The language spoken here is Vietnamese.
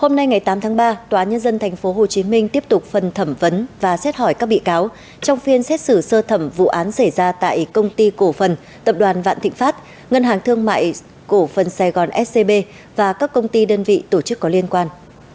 hôm nay ngày tám tháng ba tòa nhân dân tp hcm tiếp tục phần thẩm vấn và xét hỏi các bị cáo trong phiên xét xử sơ thẩm vụ án xảy ra tại công ty cổ phần tập đoàn vạn thịnh pháp ngân hàng thương mại cổ phần sài gòn scb và các công ty đơn vị tổ chức có liên quan